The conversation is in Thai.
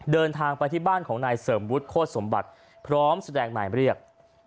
เดินทางไปที่บ้านของนายเสริมวุฒิโฆษมบัติพร้อมแสดงหมายเรียก